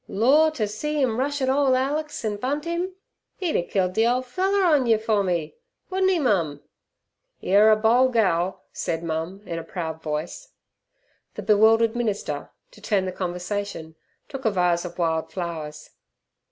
Lawr ter see 'im rush et ole Alex an' bunt 'im! 'E'd er killed th' ole feller on'y fer me. Wou'dn' 'e, mum?" "Yer a bol' gal," said mum in a proud voice. The bewildered minister, to turn the conversation, took a vase of wild flowers.